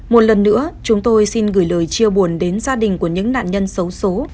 một lần nữa chúng tôi xin gửi lời chia buồn đến gia đình của những nạn nhân xấu xố